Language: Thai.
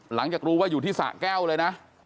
หลังจากรู้ว่าอยู่ที่สะแก้วเลยนะ